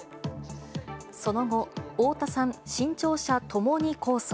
その後、太田さん、新潮社ともに控訴。